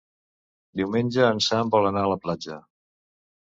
Diumenge en Sam vol anar a la platja.